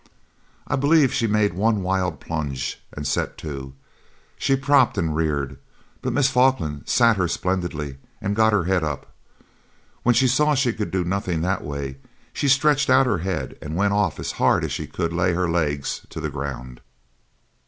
I believe she made one wild plunge, and set to; she propped and reared, but Miss Falkland sat her splendidly and got her head up. When she saw she could do nothing that way, she stretched out her head and went off as hard as she could lay legs to the ground.